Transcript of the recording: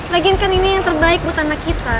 lagian kan ini yang terbaik buat anak kita